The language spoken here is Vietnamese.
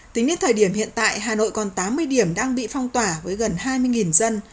tính đến thời điểm hiện tại hà nội còn tám mươi điểm đang bị phong tỏa với gần hai mươi dân